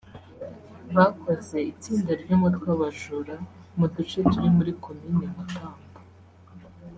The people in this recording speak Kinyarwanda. Bakoze itsinda ry’umutwe w’abajura mu duce turi muri Komine Mutambu